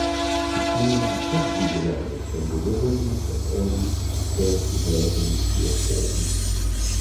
Its name probably derives from the resemblance of early, curved versions to a horn.